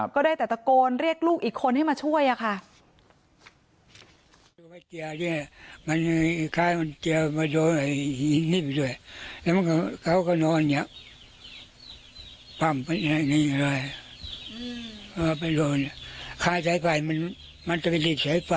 ก็ได้แต่ตะโกนเรียกลูกอีกคนให้มาช่วยค่ะ